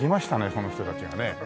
その人たちがね。